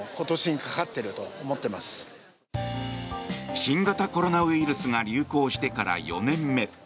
新型コロナウイルスが流行してから４年目。